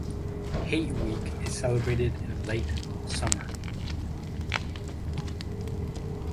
Hate Week is celebrated in late summer.